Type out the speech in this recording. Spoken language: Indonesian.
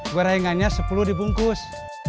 gua raingannya sepuluh dibungkus